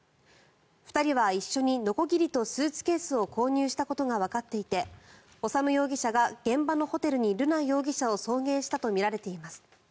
２人は一緒にのこぎりとスーツケースを購入したことがわかっていて修容疑者が現場のホテルに瑠奈容疑者を送迎したとみられています。